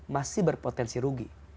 masih berpotensi rugi